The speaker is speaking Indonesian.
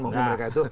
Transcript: maksudnya mereka itu